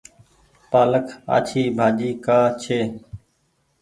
پآلڪ آڇي ڀآڃي ڪآ ڇي۔